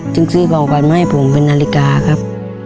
จึงซื้อของขวัญมาให้ผมเป็นนาฬิกาครับ